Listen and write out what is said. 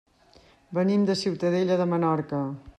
Venim de Ciutadella de Menorca.